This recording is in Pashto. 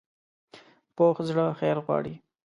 پوخ زړه خیر غواړي